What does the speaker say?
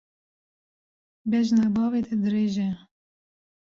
Bejna bavê te dirêj e.